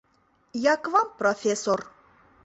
Я к вам, профессор.